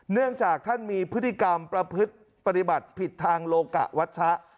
เนื่องจากท่านมีพฤติกรรมประพฤติปฏิบัติผิดทางโลกะวัชชะ